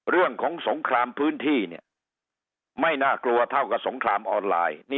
เรื่องของสงครามพื้นที่ไม่น่ากลัวเท่ากับสงครามออนไลน์